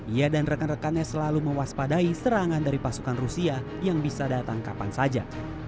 ia dan rekan rekannya selalu mewaspadai serangan dari pasukan rusia yang bisa datang kapan saja